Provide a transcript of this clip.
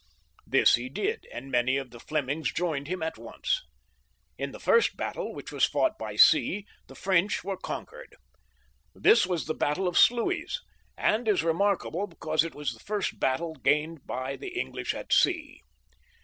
This he did, and many of the Flemings joined him at once. In the first battle, which was fought by sea, the French were conquered. This was the battle qi Sluys, and is remarkable because it was the first battle gained by the English at sea.